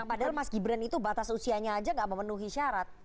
padahal mas gibran itu batas usianya aja nggak memenuhi syarat